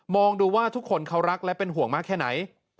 ดูว่าทุกคนเขารักและเป็นห่วงมากแค่ไหน